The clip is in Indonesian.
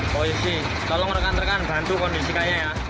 poisi tolong rekan rekan bantu kondisikanya ya